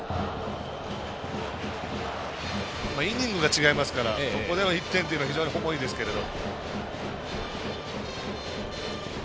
イニングが違いますからここでの１点というのは非常に重いですけど。